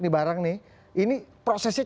di barang ini ini prosesnya